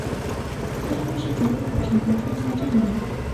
这是瑞士卓越的工程和创新的证明。